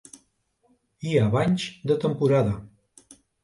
Hi ha banys de temporada.